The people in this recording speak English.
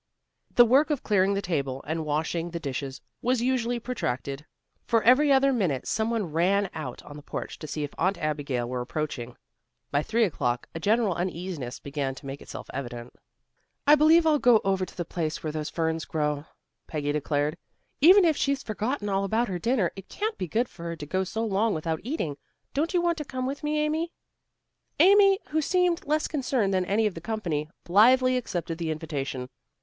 The work of clearing the table and washing the dishes was usually protracted, for every other minute some one ran out on the porch to see if Aunt Abigail were approaching. By three o'clock a general uneasiness began to make itself evident. "I believe I'll go over to the place where those ferns grow," Peggy declared. "Even if she's forgotten all about her dinner, it can't be good for her to go so long without eating. Don't you want to come with me, Amy?" Amy, who seemed less concerned than any of the company, blithely accepted the invitation.